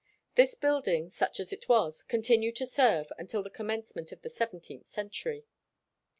This building, such as it was, continued to serve until the commencement of the seventeenth century.